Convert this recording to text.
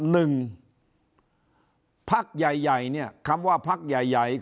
หนึ่งพักใหญ่เนี่ยคำว่าพักใหญ่ใหญ่